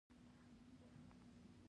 پر اکسلېټر مي پښه ټینګه کړه !